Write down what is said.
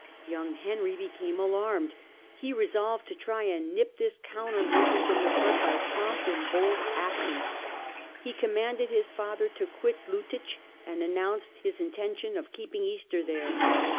Young Henry became alarmed 5 he resolved to try and nip this counter movement in the bud by prompt and bold action ; he commanded his father to quit Liittich, and announced his intention of keeping Easter there.